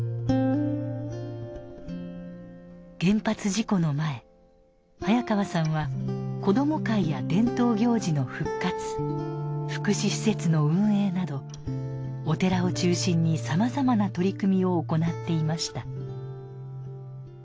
原発事故の前早川さんは子ども会や伝統行事の復活福祉施設の運営などお寺を中心にさまざまな取り組みを行っていました。